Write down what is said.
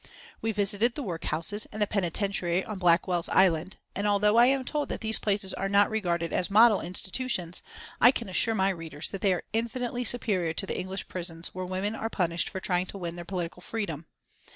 We visited the workhouse and the penitentiary on Blackwell's Island, and although I am told that these places are not regarded as model institutions, I can assure my readers that they are infinitely superior to the English prisons where women are punished for trying to win their political freedom.